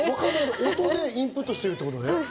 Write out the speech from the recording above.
音でインプットしてるってことね。